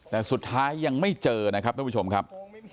แต่สุดท้ายยังไม่เจอนะครับท่านผู้ชมครับ